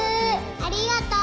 ありがとう！